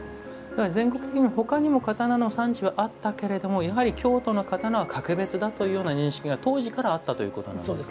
全国的に他にも刀の産地はあったけれども京都の刀は格別だというような認識が当時からあったということですね。